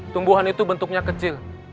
tumbuhan itu bentuknya kecil